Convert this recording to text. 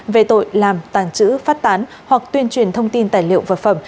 về tội làm tàng trữ phát tán hoặc tuyên truyền thông tin tài liệu vật phẩm